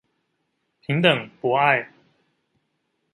平等、博愛